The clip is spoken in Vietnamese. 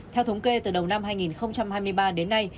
theo thống kê từ đầu năm hai nghìn hai mươi ba đến nay